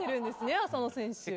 浅野選手。